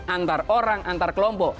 antar orang antar kelompok